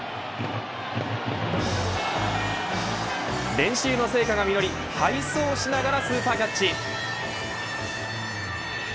練習の成果が実り背走しながらスーパーキャッチ。